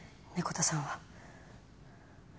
猫田さんは。